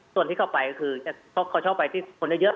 ส่วนที่เขาไปก็คือเขาชอบไปที่คนเยอะ